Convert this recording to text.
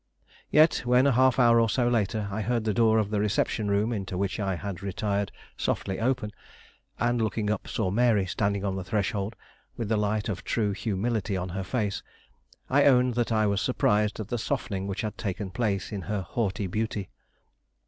Yet when, a half hour or so later, I heard the door of the reception room, into which I had retired, softly open, and looking up, saw Mary standing on the threshold, with the light of true humility on her face, I own that I was surprised at the softening which had taken place in her haughty beauty.